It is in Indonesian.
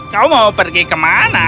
kau mau pergi ke mana